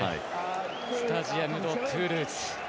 スタジアム・ド・トゥールーズ。